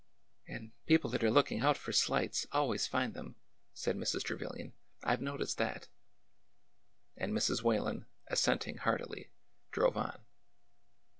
" And people that are looking out for slights, always find them," said Mrs. Trevilian. " I 've noticed that." And Mrs. Whalen, assenting heartily, drove on.